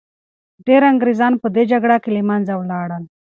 ډیر انګریزان په دې جګړو کي له منځه لاړل.